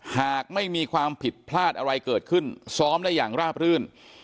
หากไม่มีความผิดพลาดอะไรเกิดขึ้นซ้อมได้อย่างราบรื่น